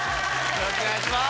よろしくお願いします。